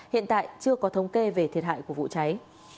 hiện tại chưa có thống kê về thiệt hại của vụ cháy